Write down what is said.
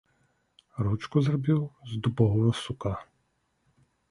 Ручку зрабіў з дубовага сука.